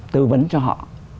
tư vấn cho họ